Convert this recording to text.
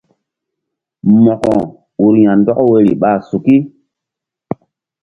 Mo̧ko ur ya̧ndɔk woyri ɓa suki.